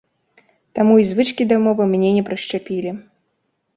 Таму і звычкі да мовы мне не прышчапілі.